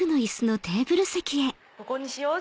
ここにしよう！